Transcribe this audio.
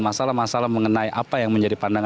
masalah masalah mengenai apa yang menjadi pandangan